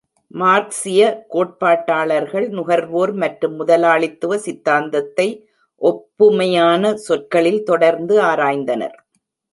மார்க்சிய கோட்பாட்டாளர்கள் நுகர்வோர் மற்றும் முதலாளித்துவ சித்தாந்தத்தை ஒப்புமையான சொற்களில் தொடர்ந்து ஆராய்ந்தனர்.